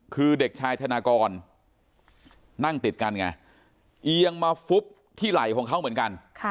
คือเด็กชายธนากรนั่งติดกันไงเอียงมาฟุบที่ไหล่ของเขาเหมือนกัน